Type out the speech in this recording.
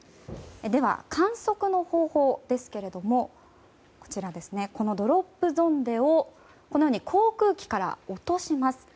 では、観測の方法ですけれどもドロップゾンデを航空機から落とします。